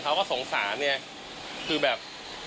คือแบบ